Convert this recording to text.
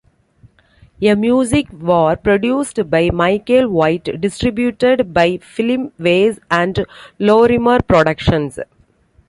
A Music War, produced by Michael White, distributed by Filmways and Lorimar Productions.